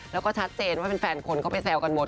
แล้วก็ชัดเจนว่าแฟนคนเข้าไปแซวกันหมด